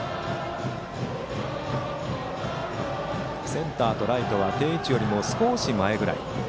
センターとライトは定位置より少し前ぐらい。